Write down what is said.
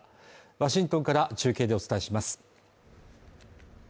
ワシントンから中継でお伝えします。